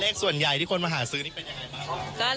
ส่วนใหญ่ที่คนมาหาซื้อนี่เป็นยังไงบ้าง